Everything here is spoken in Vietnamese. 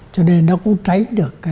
cho nên nó cũng tránh được